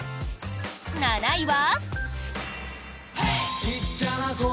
７位は。